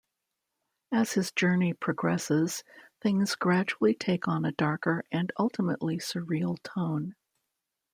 As his journey progresses, things gradually take on a darker and ultimately surreal tone.